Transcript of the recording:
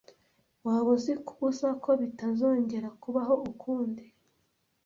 Waba uzi kubuza ko bitazongera kubaho ukundi?